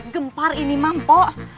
gempar ini mam pok